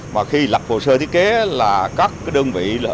mà khi lập hồ sơ thiết kế là các đơn vị